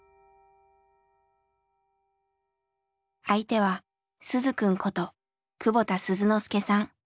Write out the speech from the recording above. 相手は鈴くんこと久保田鈴之介さん。